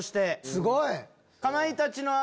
すごい！